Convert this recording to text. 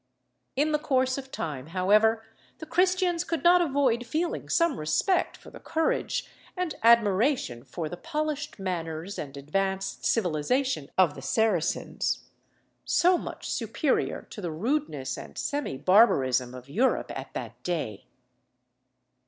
In the course of time, however, the Christians could not avoid feeling some respect for the courage, and admiration for the polished manners and advanced civilisation of the Saracens, so much superior to the rudeness and semi barbarism of Europe at that day.